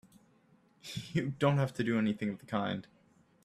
You don't have to do anything of the kind!